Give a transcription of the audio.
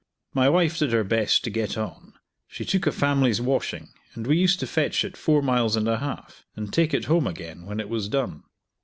My wife did her best to get on; she took a family's washing, and we used to fetch it four miles and a half, and take it home again when it was done.